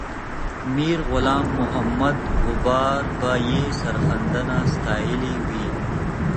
میرغلام محمد غبار به یې سرښندنه ستایلې وي.